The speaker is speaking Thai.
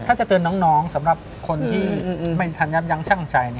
ถ้าจะเตือนน้องสำหรับคนที่ไม่ทันยับยั้งชั่งใจ